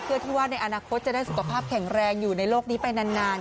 เพื่อที่ว่าในอนาคตจะได้สุขภาพแข็งแรงอยู่ในโลกนี้ไปนาน